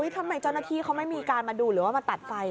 ทำไมเจ้าหน้าที่เขาไม่มีการมาดูหรือว่ามาตัดไฟ